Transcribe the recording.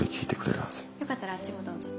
よかったらあっちもどうぞ。